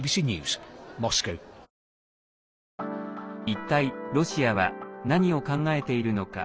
一体、ロシアは何を考えているのか。